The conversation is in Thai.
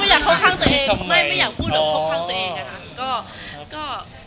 อยากเข้าข้างตัวเองไม่อยากพูดแบบเข้าข้างตัวเองอะค่ะ